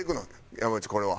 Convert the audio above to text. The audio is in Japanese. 山内これは。